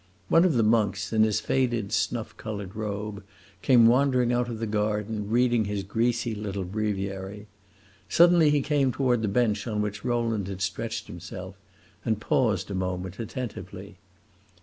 One of the monks, in his faded snuff colored robe, came wandering out into the garden, reading his greasy little breviary. Suddenly he came toward the bench on which Rowland had stretched himself, and paused a moment, attentively.